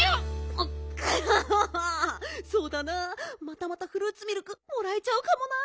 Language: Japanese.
またまたフルーツミルクもらえちゃうかもな。